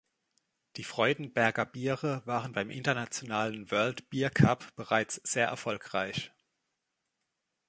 Die Freudenberger Biere waren beim internationalen World Beer Cup bereits sehr erfolgreich.